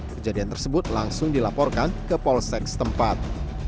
kejadian tersebut langsung dilaporkan ke polsek setempat